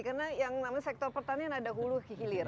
karena yang namanya sektor pertanian ada hulu hilir